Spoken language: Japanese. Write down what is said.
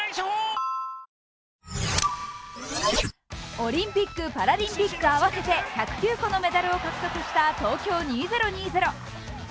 オリンピック・パラリンピック合わせて１０９個のメダルを獲得した東京２０２０。